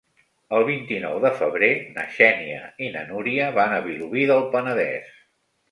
El vint-i-nou de febrer na Xènia i na Núria van a Vilobí del Penedès.